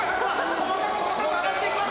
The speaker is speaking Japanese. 細かく細かく上がっていきます！